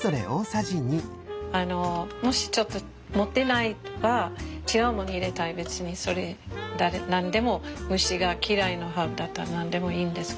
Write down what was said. もしちょっと持ってなければ違うもの入れたい別にそれ何でも虫が嫌いなハーブだったら何でもいいんですけど。